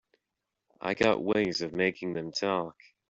I got ways of making them talk.